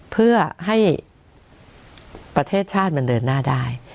เพื่อให้ประเทศชาติมันเดินหน้าได้